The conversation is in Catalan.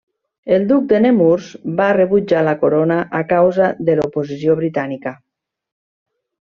El duc de Nemours va rebutjar la corona a causa de l'oposició britànica.